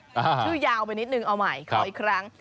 ชื่อยาวไปนิดนึงเอาใหม่ขออีกครั้ง